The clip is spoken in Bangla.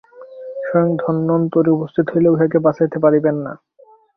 স্বয়ং ধন্বন্তরি উপস্থিত হইলেও ইহাকে বাঁচাইতে পারিবেন না।